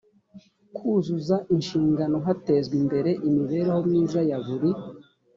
kuzuza inshingano hatezwa imbere imibereho myiza ya buri